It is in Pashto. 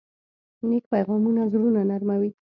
نیک پیغامونه زړونه نرموي.